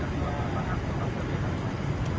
jadi saya akan siap siap mengordinasi pelaksanaan